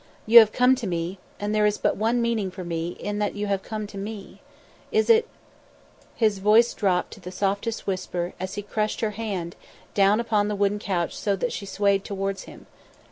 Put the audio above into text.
"You have come to me, and there is but one meaning for me in that you have come to me. Is it " His voice dropped to the softest whisper as he crushed her hands down upon the wooden couch so that she swayed towards him.